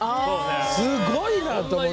すごいなと思っちゃう。